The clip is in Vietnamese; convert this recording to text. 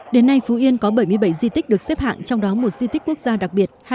đến nay phú yên có bảy mươi bảy di tích được xếp hạng trong đó một di tích quốc gia đặc biệt